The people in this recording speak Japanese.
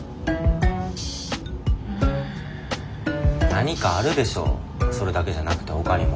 何かあるでしょそれだけじゃなくてほかにも。